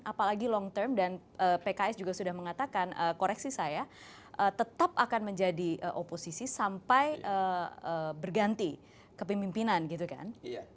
apalagi long term dan pks juga sudah mengatakan koreksi saya tetap akan menjadi oposisi sampai berganti kepemimpinan gitu kan